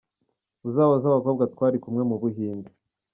Uzabaze abakobwa twari kumwe mu Buhinde.